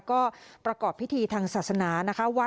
ก็ประกอบพิธีทางศาสนานะคะ